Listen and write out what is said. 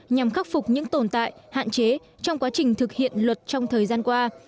nhằm khắc phục những tồn tại hạn chế trong quá trình thực hiện luật trong thời gian qua